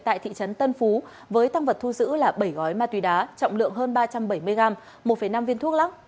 tại thị trấn tân phú với tăng vật thu giữ là bảy gói ma túy đá trọng lượng hơn ba trăm bảy mươi gram một năm viên thuốc lắc